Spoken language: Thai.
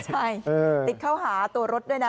ใช่ติดเข้าหาตัวรถด้วยนะ